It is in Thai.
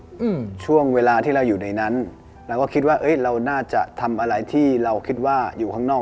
อืมช่วงเวลาที่เราอยู่ในนั้นเราก็คิดว่าเอ้ยเราน่าจะทำอะไรที่เราคิดว่าอยู่ข้างนอก